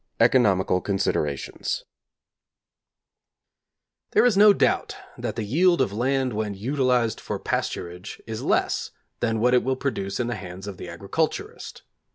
V ECONOMICAL CONSIDERATIONS There is no doubt that the yield of land when utilized for pasturage is less than what it will produce in the hands of the agriculturist.